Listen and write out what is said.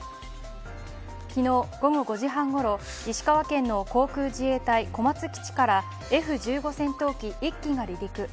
昨日午後５時半ごろ、石川県の航空自衛隊小松基地からＦ‐１５戦闘機、１機が離陸。